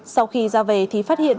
sau khi ra về thì phát hiện